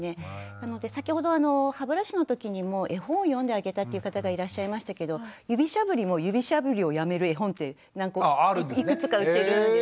なので先ほど歯ブラシのときにも絵本を読んであげたという方がいらっしゃいましたけど指しゃぶりも指しゃぶりをやめる絵本っていくつか売ってるんですね。